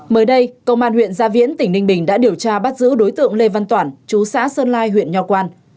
mới đây công an huyện gia viễn tỉnh ninh bình đã điều tra bắt giữ đối tượng lê văn toản chú xã sơn lai huyện nho quang